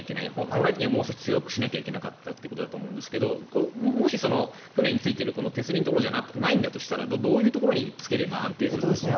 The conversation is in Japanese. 本来的にはもう少し強くしなきゃいけなかったということなんですがもし、船についている手すりのところじゃないとすればどこにつければ安定するんですかね。